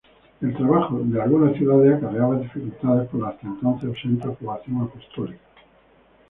El trabajo en algunas ciudades acarreaba dificultades por la hasta entonces ausente aprobación apostólica.